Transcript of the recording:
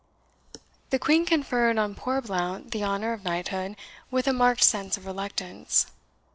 The Queen conferred on poor Blount the honour of knighthood with a marked sense of reluctance.